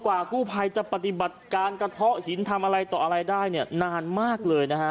กว่ากู้ภัยจะปฏิบัติกลางกระทะหินทำอะไรต่ออะไรนานมากเลย